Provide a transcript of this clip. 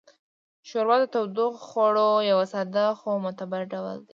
ښوروا د تودوخوړو یو ساده خو معتبر ډول دی.